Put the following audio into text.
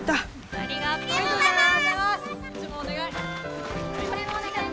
ありがとうございます！